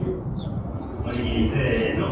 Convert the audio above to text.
おにぎりせの！